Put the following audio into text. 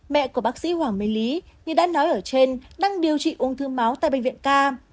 mẹ của bác sĩ hoàng mê lý như đã nói ở trên đang điều trị ung thư máu tại bệnh viện ca